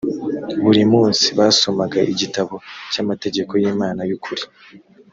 buri munsi basomaga igitabo cy’amategeko y’imana y’ukuri